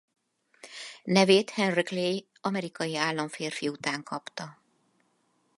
Nevét Henry Clay amerikai államférfi után kapta.